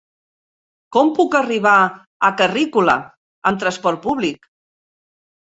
Com puc arribar a Carrícola amb transport públic?